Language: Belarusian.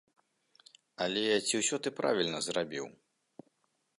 Але ці ўсё ты правільна зрабіў?